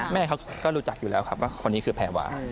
แม่เขาก็รู้จักอยู่แล้วครับว่าคนนี้คือแพรวา